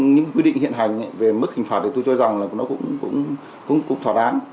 những quy định hiện hành về mức hình phạt thì tôi cho rằng là nó cũng thỏa đáng